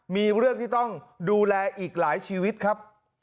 มีเรื่องที่ต้องดูแลอีกหลายชีวิตครับ